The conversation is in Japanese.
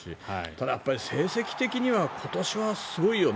ただ、成績的には今年はすごいよね。